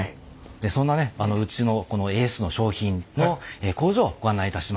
そんなねうちのこのエースの商品の工場ご案内いたします。